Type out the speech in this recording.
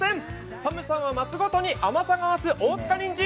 寒さが増すごとに甘さも増す大塚にんじん、